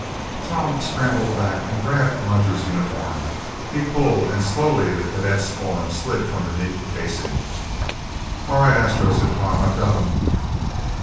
Tom scrambled back and grabbed Roger's uniform. He pulled, and slowly the cadet's form slid from beneath the casing. "All right, Astro," said Tom, "I've got 'im."